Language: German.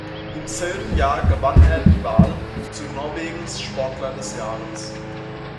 Im selben Jahre gewann er die Wahl zu Norwegens Sportler des Jahres.